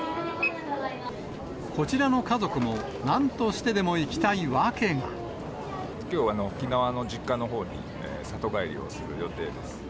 こちらの家族も、きょう、沖縄の実家のほうに里帰りをする予定です。